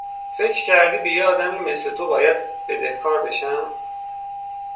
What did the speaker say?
فکر کردی به یه آدمی مثل تو باید بدهکارم بشم؟